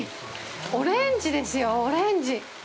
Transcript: オレンジですよ、オレンジ！